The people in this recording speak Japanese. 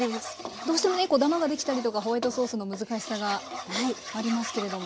どうしてもねこうダマができたりとかホワイトソースの難しさがありますけれども。